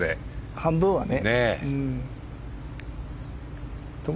半分はね。